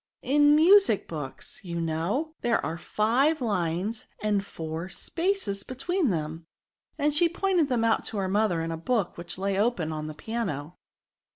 In music books, you know, there are five lines and four spaces between them;" and she pointed them out to her mother in a book which lay open on the piano.